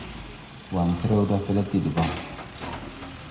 Waŋkrew da flɛgge debaŋ.